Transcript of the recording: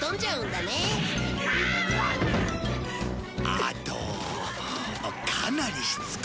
あとかなりしつこいな